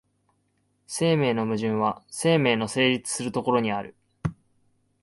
生命の矛盾は生命の成立する所にある。